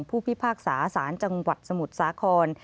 ผู้พิพากษาสารจังหวัดสมุทรสระกอล